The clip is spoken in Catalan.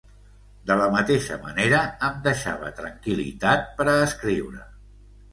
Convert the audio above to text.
De la mateixa manera, em deixava tranquil·litat per a escriure.